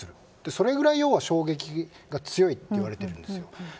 それぐらい衝撃が強いといわれているんですよ。